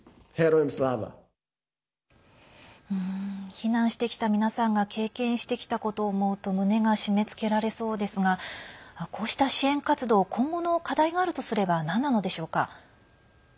避難してきた皆さんが経験してきたことを思うと胸が締めつけられそうですがこうした支援活動今後の課題があるとすればなんなのでしょうか。